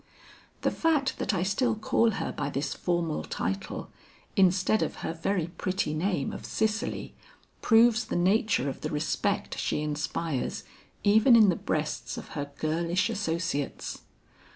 "The fact that I still call her by this formal title instead of her very pretty name of Cicely, proves the nature of the respect she inspires even in the breasts of her girlish associates."